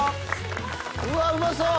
うわうまそう！